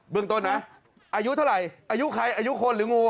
เรื่องต้นนะอายุเท่าไหร่อายุใครอายุคนหรืองู